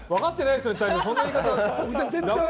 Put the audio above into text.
そんな言い方。